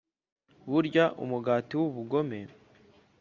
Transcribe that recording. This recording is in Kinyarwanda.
Barya umugati w ubugome